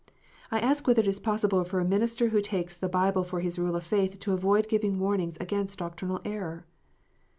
I ask whether it is possible for a minister who takes the Bible for his rule of faith to avoid giving warnings against doctrinal error